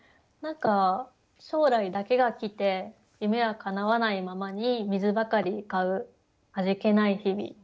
何か将来だけが来て夢はかなわないままに水ばかり買う味気ない日々。